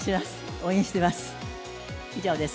応援してます。